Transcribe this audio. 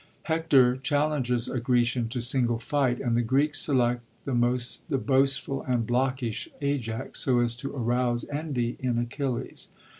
Hector challenges a Grecian to single fight, and the Greeks select the boastful and blockish Ajax, so as to arouse envy in Achilles.